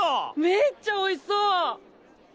めっちゃ美味しそう！